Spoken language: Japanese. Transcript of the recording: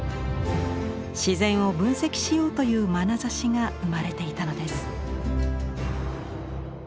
自然を分析しようというまなざしが生まれていたのです。